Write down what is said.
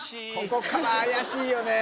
ここから怪しいよね